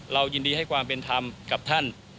ยินดีให้ความเป็นธรรมกับท่าน